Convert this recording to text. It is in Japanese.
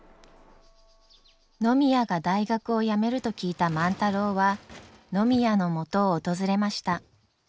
野宮が大学を辞めると聞いた万太郎は野宮のもとを訪れました。